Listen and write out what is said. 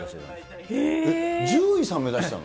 獣医さん目指してたの？